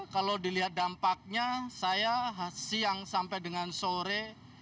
kalau dilihat dampaknya saya siang sampai dengan sore